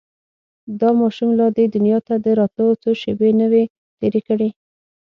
دا ماشوم لا دې دنيا ته د راتلو څو شېبې نه وې تېرې کړې.